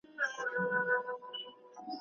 لوټوي چي لوپټه د خورکۍ ورو ورو